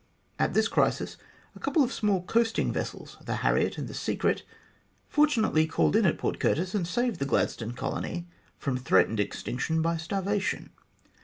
At this crisis a couple of small coasting vessels the Harriet and the fere* fortunately called in at Port Curtis, and saved the Gladstone Colony from threatened extinction by starva tion.